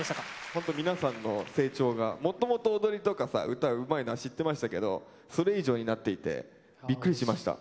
ホント皆さんの成長がもともと踊りとかさ歌うまいのは知ってましたけどそれ以上になっていてびっくりしました。